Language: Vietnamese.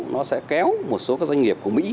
nó sẽ kéo một số các doanh nghiệp của mỹ